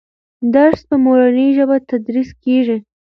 درس په مورنۍ ژبه تدریس کېږي.